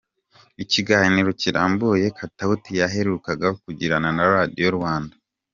Ikiganiro kirambuye Katauti yaherukaga kugirana na Radio Rwanda.